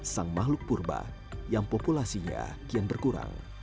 sang makhluk purba yang populasinya kian berkurang